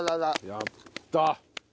やった！